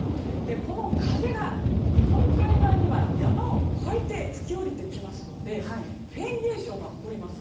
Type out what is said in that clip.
この風が日本海側には山を越えて吹き下りてきますのでフェーン現象が起こります。